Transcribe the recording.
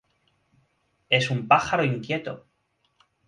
Es un pájaro inquieto.